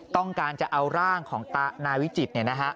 ต้องการจะเอาร่างของนายวิจิตร